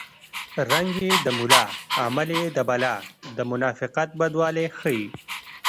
رنګ یې د ملا عمل یې د بلا د منافقت بدوالی ښيي